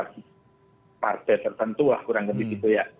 dari tertentu lah kurang lebih gitu ya